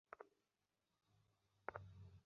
বেশ, খাসনে তবে।